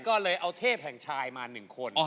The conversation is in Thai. ก็เลยเอาเทพแห่งชายมา๑คน